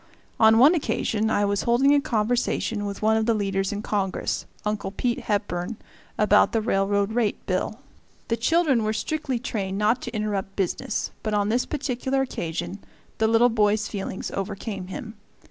On one occasion I was holding a conversation with one of the leaders in Congress, Uncle Pete Hepburn, about the Railroad Rate Bill. The children were strictly trained not to interrupt business, but on this particular occasion the little boy's feelings overcame him.